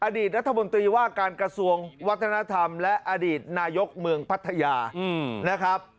อดีตรัฐมนตรีว่าการกระทรวงวัฒนธรรมและอดีตนายกเมืองพัทยานะครับ